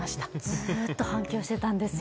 ずっと反響していたんですよ。